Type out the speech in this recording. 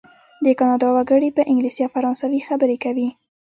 د کانادا وګړي په انګلیسي او فرانسوي خبرې کوي.